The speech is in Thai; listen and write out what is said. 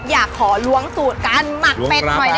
อยากขอล้วงสูตรการหมักเป็ดไฟได้ไหมนะ